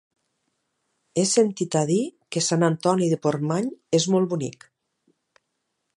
He sentit a dir que Sant Antoni de Portmany és molt bonic.